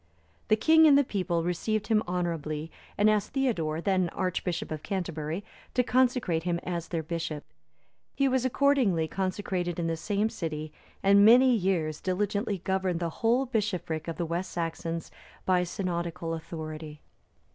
The king and the people received him honourably, and asked Theodore, then Archbishop of Canterbury, to consecrate him as their bishop. He was accordingly consecrated in the same city, and many years diligently governed the whole bishopric of the West Saxons by synodical authority.